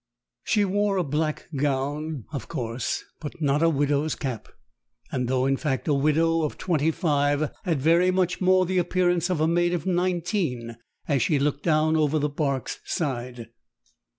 She wore a black gown, of course, but not a widow's cap: and, though in fact a widow of twenty five, had very much more the appearance of a maid of nineteen as she looked down over the barque's side.